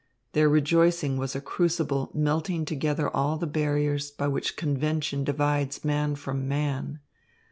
Their rejoicing was a crucible melting together all the barriers by which convention divides man from man.